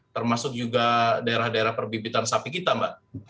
termasuk juga daerah daerah perbipitan sapi kita mbak